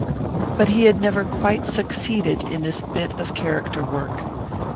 But he had never quite succeeded in this bit of character work.